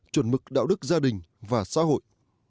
chuẩn mực đạo đức gia đình và xã hội